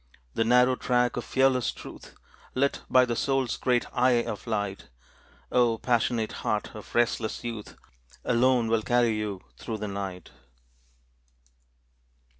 The narrow track of fearless truth, Lit by the soul's great eye of light, O passionate heart of restless youth, Alone will carry you through the night.